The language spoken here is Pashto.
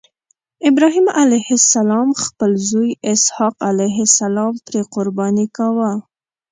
ابراهیم علیه السلام خپل زوی اسحق علیه السلام پرې قرباني کاوه.